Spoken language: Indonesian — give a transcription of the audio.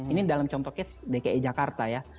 ini dalam contohnya dki jakarta ya